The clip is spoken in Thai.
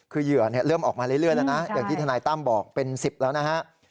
คือเหยื่อเริ่มออกมาเรื่อยแล้วนะอย่างที่ทนายตั้มบอกเป็น๑๐แล้วนะฮะ